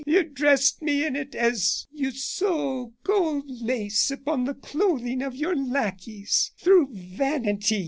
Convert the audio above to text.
You dressed me in it, as you sew gold lace upon the clothing of your lackeys, through vanity.